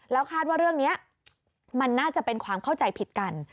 แล้วคาดว่าเรื่องนี้มันน่าจะเป็นความเข้าใจผิดกัน